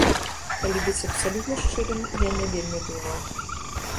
Калі быць абсалютна шчырым, я не вельмі думаў.